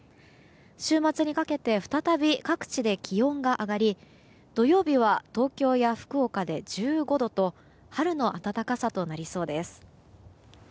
週末にかけて再び各地で気温が上がり土曜日は、東京や福岡で１５度と春の暖かさとなりそうです。